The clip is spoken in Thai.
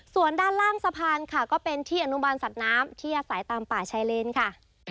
ส่วนด้านล่างสะพานค่ะก็เป็นที่อนุบาลสัตว์น้ำที่อาศัยตามป่าชายเลนค่ะ